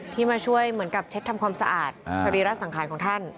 มาช่วยเหมือนกับเช็ดทำความสะอาดสรีระสังขารของท่าน